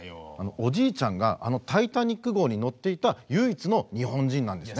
おじいちゃんがあのタイタニック号に乗っていた唯一の日本人なんですね。